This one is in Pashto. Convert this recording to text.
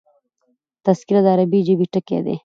تذکره د عربي ژبي ټکی دﺉ.